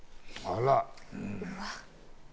あら。